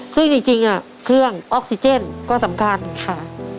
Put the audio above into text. ซึ่งจริงเครื่องออกซิเจนก็สำคัญค่ะ